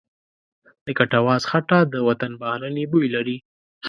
د کټواز خټه د وطنپالنې بوی لري.